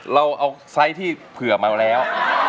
เราเอาไซส์ที่เผื่อมาแล้ว